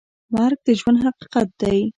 مرګ د ژوند حقیقت دی؟